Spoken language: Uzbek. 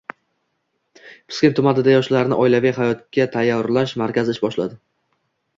Piskent tumanida yoshlarni oilaviy hayotga tayyorlash markazi ish boshladi